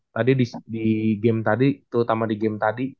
tadi di game tadi terutama di game tadi